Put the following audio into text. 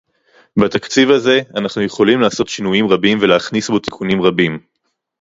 בתקציב הזה אנחנו יכולים לעשות שינויים רבים ולהכניס בו תיקונים רבים